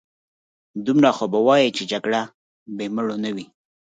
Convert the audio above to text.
دومره خو به وايې چې جګړه بې مړو نه وي.